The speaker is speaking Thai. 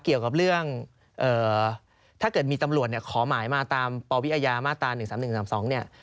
เกี่ยวกับเรื่องถ้าเกิดมีตำรวจเนี่ยขอหมายมาตามปวิอาญามาตรา๑๓๑๓๒เนี่ย